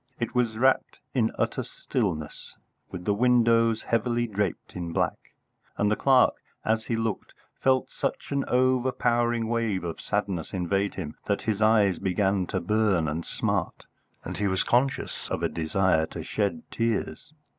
It was wrapped in utter stillness, with windows heavily draped in black, and the clerk, as he looked, felt such an overpowering wave of sadness invade him that his eyes began to burn and smart, and he was conscious of a desire to shed tears.